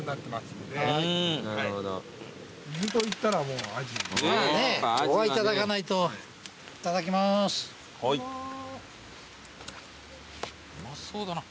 うまそうだな。